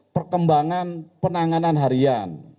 perkembangan penanganan harian